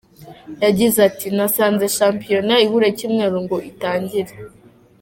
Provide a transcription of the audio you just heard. Yagize ati:"Nasanze Shampiyona ibura icyumweru ngo itangire.